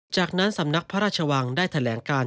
จากนั้นสำนักพระราชวังได้แถลงการ